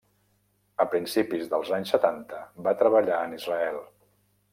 A principis dels anys setanta va treballar en Israel.